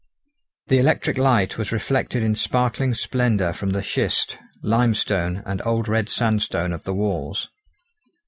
The electric light was reflected in sparkling splendour from the schist, limestone, and old red sandstone of the walls.